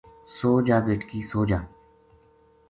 سو جا بیٹکی سو جا